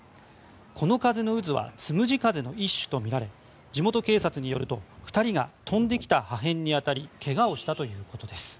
この風の渦はつむじ風の一種とみられ地元警察によると２人が飛んできた破片に当たりけがをしたということです。